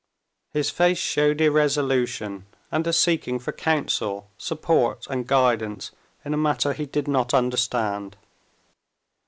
His face showed irresolution, and a seeking for counsel, support, and guidance in a matter he did not understand.